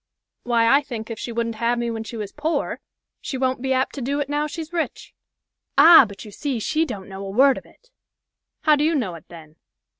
"Why, I think if she wouldn't have me when she was poor, she won't be apt to do it now she's rich." "Ah! but you see, she don't know a word of it!" "How do you know it, then?"